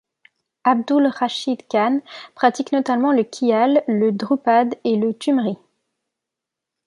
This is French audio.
Abdul Rashid Khan pratique notamment le khyal, le dhrupad et le thumri.